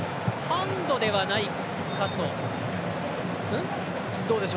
ハンドではないかと。